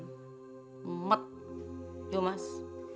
nget ya mas